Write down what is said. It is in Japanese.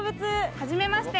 はじめまして。